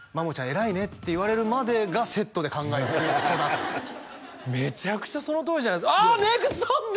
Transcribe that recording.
偉いねって言われるまでがセットで考えてる子だとめちゃくちゃそのとおりじゃないですかあめぐさんだ！